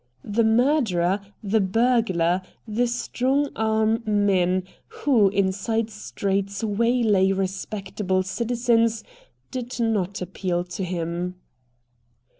The murderer, the burglar, the strong arm men who, in side streets, waylay respectable citizens did not appeal to him.